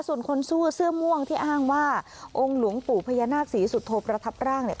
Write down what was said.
ส่วนคนสู้เสื้อม่วงที่อ้างว่าองค์หลวงปู่พญานาคศรีสุโธประทับร่างเนี่ย